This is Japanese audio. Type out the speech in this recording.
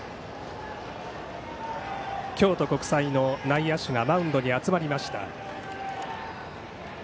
京都国際の内野手がマウンドに集まりました。